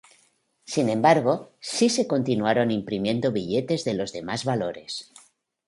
Sin embargo sí se continuaron imprimiendo billetes de los demás valores.